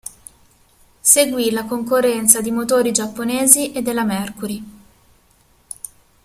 Seguì la concorrenza di motori giapponesi e della Mercury.